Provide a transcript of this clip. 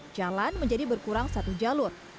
jalan menjadi berkurang satu jalur